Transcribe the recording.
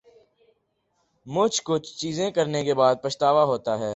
مچھ کچھ چیزیں کرنے کے بعد پچھتاوا ہوتا ہے